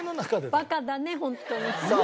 バカだねホントに。